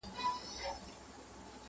د ګودر د دیدن پل یم، پر پېزوان غزل لیکمه!!